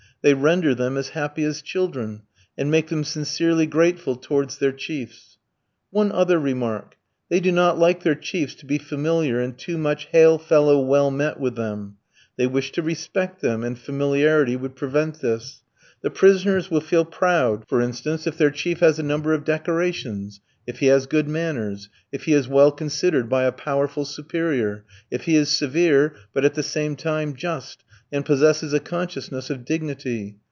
They render them as happy as children, and make them sincerely grateful towards their chiefs. One other remark they do not like their chiefs to be familiar and too much hail fellow well met with them. They wish to respect them, and familiarity would prevent this. The prisoners will feel proud, for instance, if their chief has a number of decorations; if he has good manners; if he is well considered by a powerful superior; if he is severe, but at the same time just, and possesses a consciousness of dignity.